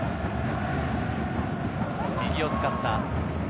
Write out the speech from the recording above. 右を使った。